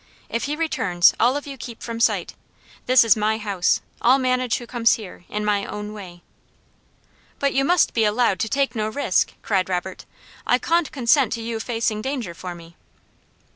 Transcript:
"If he returns, all of you keep from sight. This is my house; I'll manage who comes here, in my own way." "But you must be allowed to take no risk!" cried Robert. "I cawn't consent to youah facing danger for me."